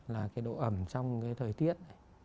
là độ ẩm trong thời tiết